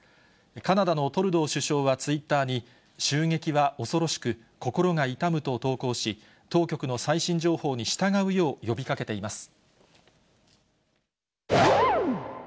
カナダのトルドー首相はツイッターに、襲撃は恐ろしく、心が痛むと投稿し、当局の最新情報に従うよう呼びかけています。